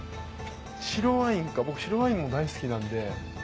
白ワインか僕白ワインも大好きなんで。